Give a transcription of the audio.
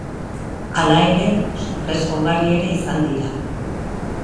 Hala ere, sorpresa ugari ere izan dira.